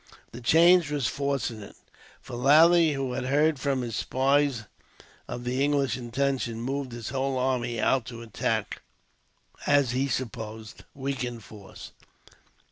The change was fortunate, for Lally, who had heard from his spies of the English intentions, moved his whole army out to attack the as he supposed weakened force.